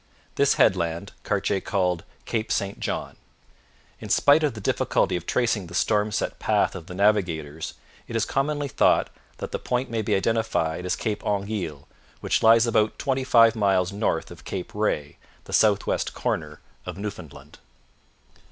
This headland Cartier called Cape St John. In spite of the difficulty of tracing the storm set path of the navigators, it is commonly thought that the point may be identified as Cape Anguille, which lies about twenty five miles north of Cape Ray, the south west 'corner' of Newfoundland.